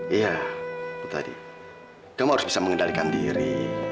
iya kamu harus bisa mengendalikan diri